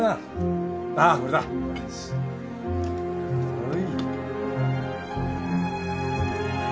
はい。